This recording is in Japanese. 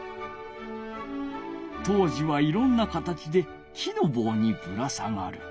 当時はいろんな形で木の棒にぶら下がる。